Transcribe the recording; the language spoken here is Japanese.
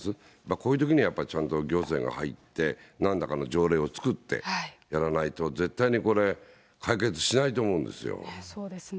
こういうときには、ちゃんと行政が入って、なんらかの条例を作ってやらないと、絶対にこれ、解決しないと思そうですね。